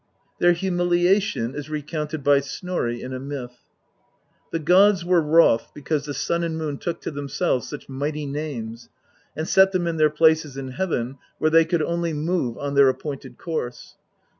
Their humiliation is recounted by Snorri in a myth. The gods were wroth because the Sun and Moon took to themselves such mighty names, and set them in their places in heaven where they could only move on their appointed course.